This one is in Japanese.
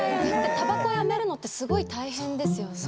タバコやめるのってすごい大変ですよね。